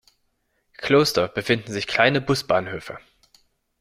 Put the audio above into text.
Kloster befinden sich kleine Busbahnhöfe.